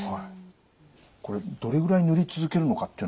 これどれぐらい塗り続けるのかっていうのはどうなんですか？